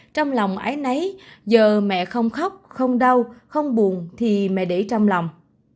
trong lòng ái nấy giờ mẹ không khóc không đau không buồn thì mẹ để trong lòng